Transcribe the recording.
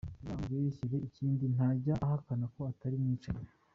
Bazamubeshyere ikindi ntajya ahakana ko atari umwicanyi.